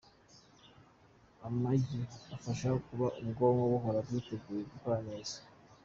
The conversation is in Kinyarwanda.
Amagi afasha mu kuba ubwonko buhora bwiteguye gukora neza.